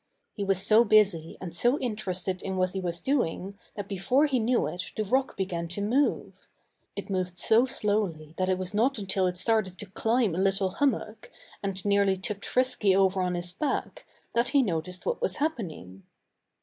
He was so busy and so interested in what he was doing that before he knew it the rock began to move. It moved so slowly that it was not until it started to climb a little hummock, and nearly tipped Frisky over on his back, that he noticed what was happening.